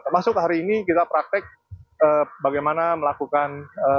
termasuk hari ini kita praktek bagaimana melakukan